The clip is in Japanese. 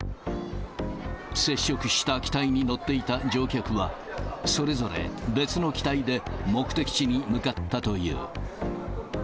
接触した機体に乗っていた乗客は、それぞれ別の機体で目的地に向かったという。